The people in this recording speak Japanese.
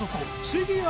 杉谷